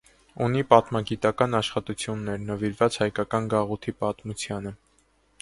Ունի պատմագիտական աշխատություններ՝ նվիրված հայկական գաղութի պատմությանը։